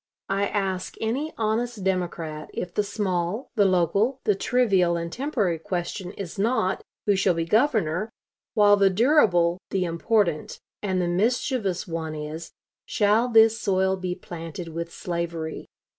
I ask any honest Democrat if the small, the local, the trivial and temporary question is not, Who shall be governor? while the durable, the important, and the mischievous one is, Shall this soil be planted with slavery?